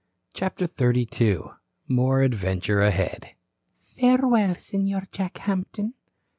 CHAPTER XXXII MORE ADVENTURE AHEAD "Farewell, Senor Jack Hampton."